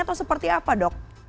atau seperti apa dok